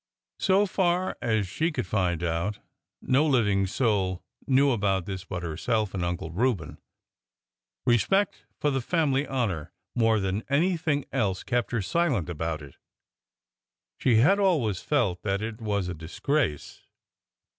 So far as she could find out, no living soul knew about this but herself and Lmcle Reu ben. Respect for the family honor more than anything else kept her silent about it. She had always felt that it was a disgrace.